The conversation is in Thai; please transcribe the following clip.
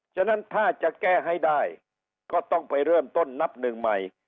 ฉะนั้นถ้าจะแก้ให้ได้ก็ต้องไปเริ่มต้นนับหนึ่งใหม่